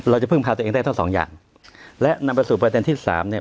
เราจะพึ่งพาตัวเองได้ทั้งสองอย่างและนำไปสู่ประเด็นที่สามเนี่ย